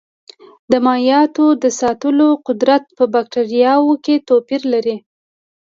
د مایعاتو د ساتلو قدرت په بکټریاوو کې توپیر لري.